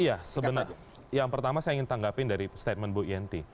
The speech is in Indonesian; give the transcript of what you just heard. iya sebenarnya yang pertama saya ingin tanggapin dari statement bu yenty